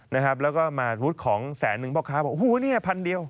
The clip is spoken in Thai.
นะครับแล้วก็มารุดของแสนนึงพ่อค้าบอกโอ้โหเนี่ยพันเดียว